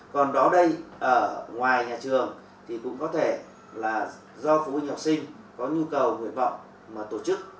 còn đó đây ở ngoài nhà trường thì cũng có thể là do phụ huynh học sinh có nhu cầu nguyện vọng mà tổ chức